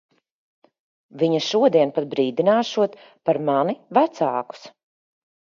Viņa šodien pat brīdināšot par mani vecākus.